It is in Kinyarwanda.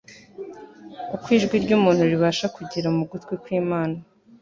uko ijwi ry'umuntu ribasha kugera mu gutwi kw'Imana,